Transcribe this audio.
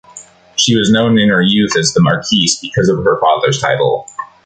She was known in her youth as "The Marquise", because of her father's title.